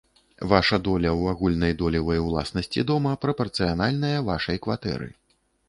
Ваша доля ў агульнай долевай уласнасці дома прапарцыянальная вашай кватэры.